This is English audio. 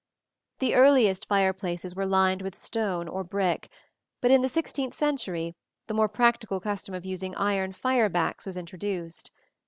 The earliest fireplaces were lined with stone or brick, but in the sixteenth century the more practical custom of using iron fire backs was introduced.